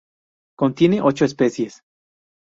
Contiene ocho especies.